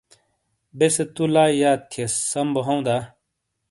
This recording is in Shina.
بیسے تُو لائی یاد تھئیس۔ سَم بو ہَوں دا؟